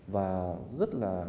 và rất là